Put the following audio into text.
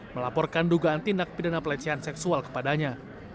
melaporkan dugaan tindak pidana pelecehan seksual kepadanya